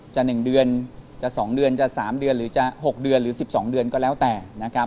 จะ๑เดือนจะ๒เดือนจะ๓เดือนหรือจะ๖เดือนหรือ๑๒เดือนก็แล้วแต่นะครับ